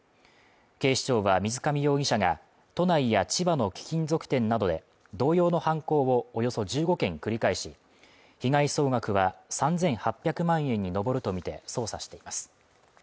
警視庁は水上容疑者が、都内や千葉の貴金属店などで同様の犯行をおよそ１５件繰り返し、被害総額は３８００万円に上るとみて捜査しています。